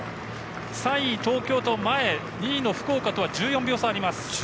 ３位、東京と前の２位の福岡とは１４秒差あります。